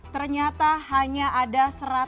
ternyata hanya ada